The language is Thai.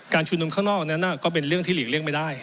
การชูนมข้างนอกเนี้ยน่ะก็เป็นเรื่องที่หลีกเลี่ยงไม่ได้